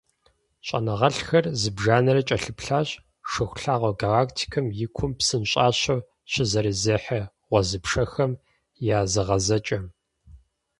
ЩIэныгъэлIхэр зыбжанэрэ кIэлъыплъащ Шыхулъагъуэ галактикэм и кум псынщIащэу щызэрызехьэ гъуэзыпшэхэм я зыгъэзэкIэм.